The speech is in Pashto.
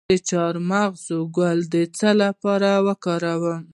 د چارمغز ګل د څه لپاره وکاروم؟